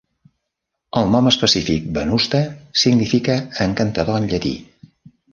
El nom específic "venusta" significa "encantador" en llatí.